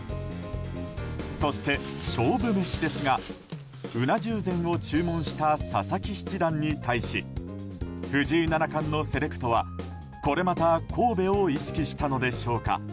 そして、勝負メシですがうな重膳を注文した佐々木七段に対し藤井七冠のセレクトはこれまた神戸を意識したのでしょうか。